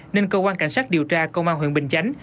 nên cơ quan cảnh sát điều tra công an huyện bình chánh